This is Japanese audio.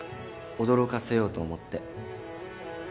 驚かせようと思って。